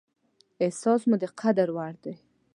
احساس مو د قدر وړ دى.